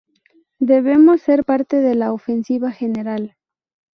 Debemos ser parte de la ofensiva general.